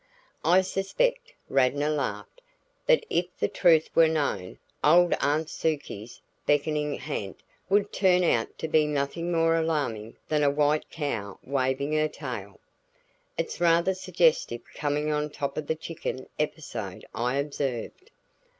"I suspect," Radnor laughed, "that if the truth were known, old Aunt Sukie's beckoning ha'nt would turn out to be nothing more alarming than a white cow waving her tail." "It's rather suggestive coming on top of the chicken episode," I observed.